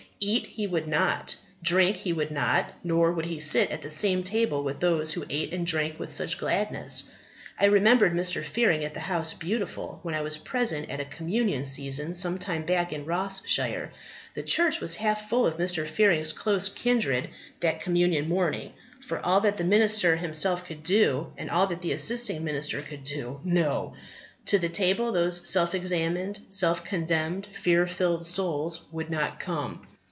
Eat he would not, drink he would not, nor would he sit at the same table with those who ate and drank with such gladness. I remembered Mr. Fearing at the House Beautiful when I was present at a communion season some time back in Ross shire. The church was half full of Mr. Fearing's close kindred that communion morning. For, all that the minister himself could do, and all that the assisting minister could do no! to the table those self examined, self condemned, fear filled souls would not come.